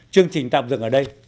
chương trình tạm dừng ở đây